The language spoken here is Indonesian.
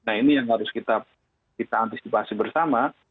nah ini yang harus kita antisipasi bersama